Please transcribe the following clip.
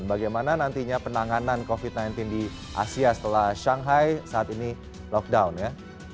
bagaimana nantinya penanganan covid sembilan belas di asia setelah shanghai saat ini lockdown ya